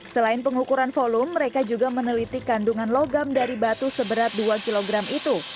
selain pengukuran volume mereka juga meneliti kandungan logam dari batu seberat dua kg itu